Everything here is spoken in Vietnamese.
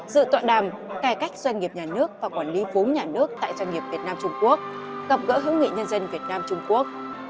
dự tọa đàm cải cách doanh nghiệp nhà nước và quản lý vốn nhà nước tại doanh nghiệp việt nam trung quốc gặp gỡ hữu nghị nhân dân việt nam trung quốc